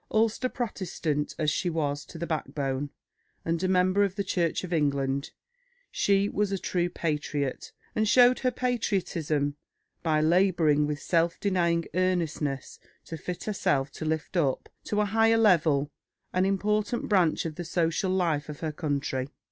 Ulster Protestant as she was to the backbone, and a member of the Church of England, she was a true patriot, and showed her patriotism by labouring with self denying earnestness to fit herself to lift up to a higher level an important branch of the social life of her country.